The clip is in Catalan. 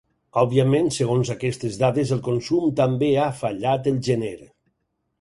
Òbviament, segons aquestes dades, el consum també ha fallat el gener.